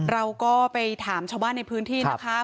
เราก็ไปถามชาวบ้านในพื้นที่นะคะ